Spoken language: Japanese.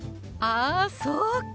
あそうか！